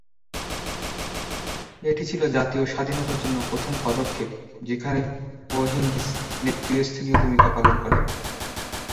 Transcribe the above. এটি ছিল জাতীয় স্বাধীনতার জন্য প্রথম পদক্ষেপ যেখানে ও’হিগিন্স নেতৃত্তস্থানীয় ভূমিকা পালন করেন।